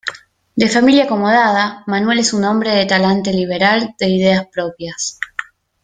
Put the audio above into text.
De familia acomodada, Manuel es un hombre de talante liberal, de ideas propias.